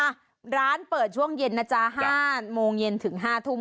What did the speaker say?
อ่ะร้านเปิดช่วงเย็นนะจ๊ะ๕โมงเย็นถึง๕ทุ่ม